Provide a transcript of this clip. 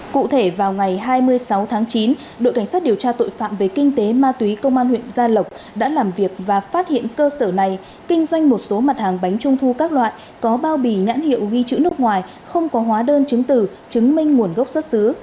cụ thể vào ngày hai mươi sáu tháng chín đội cảnh sát điều tra tội phạm về kinh tế ma túy công an huyện gia lộc đã làm việc và phát hiện cơ sở này kinh doanh một số mặt hàng bánh trung thu các loại có bao bì nhãn hiệu ghi chữ nước ngoài không có hóa đơn chứng từ chứng minh nguồn gốc xuất xứ